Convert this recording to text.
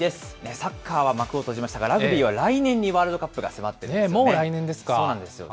サッカーは幕を閉じましたが、ラグビーは来年にワールドカップが迫ってるんですよね。